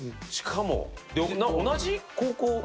しかも、同じ高校？